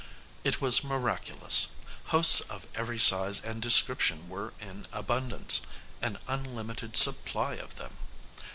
It was miraculous. Hosts of every size and description were in abundance an unlimited supply of them.